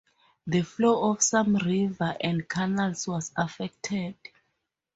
The flow of some rivers and canals was affected.